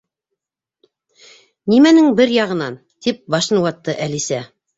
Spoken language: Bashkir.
—Нимәнең бер яғынан? —тип башын ватты Әлисә.